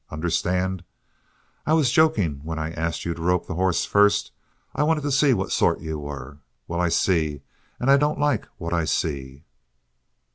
Understand? I was joking when I asked you to rope the hoss first. I wanted to see what sort were. Well, I see, and I don't like what I see."